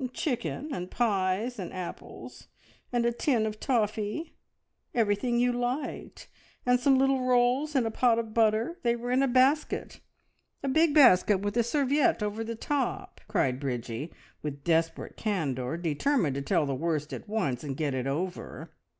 "A chicken, and pies, and apples, and a tin of toffee. Everything you liked and some little rolls and a pot of butter. They were in a basket a big basket with a serviette over the top!" cried Bridgie, with desperate candour, determined to tell the worst at once and get it over.